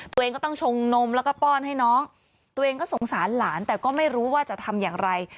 ตัวเองก็ต้องชงนมแล้วก็ป้อนให้น้องตัวเองก็สงสารหลานแต่ก็ไม่รู้ว่าจะทำอย่างไร